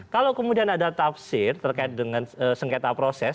kalau kemudian ada tafsir terkait dengan sengketa proses